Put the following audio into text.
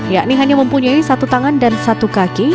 yakni hanya mempunyai satu tangan dan satu kaki